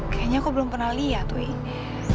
kayaknya aku belum pernah liat wih